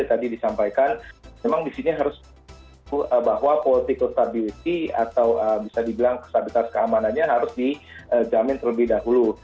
tadi disampaikan memang di sini harus bahwa political stability atau bisa dibilang stabilitas keamanannya harus dijamin terlebih dahulu